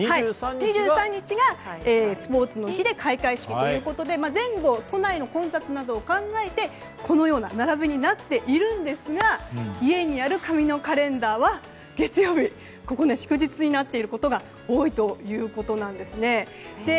２３日がスポーツの日で開会式ということで前後都内の混雑などを考えてこのような並びになっているんですが家にある紙のカレンダーは月曜日が祝日になっていることが多いということです。